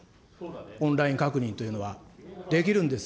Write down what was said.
オンライン確認というのは、できるんです。